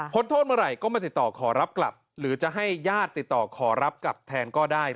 โทษเมื่อไหร่ก็มาติดต่อขอรับกลับหรือจะให้ญาติติดต่อขอรับกลับแทนก็ได้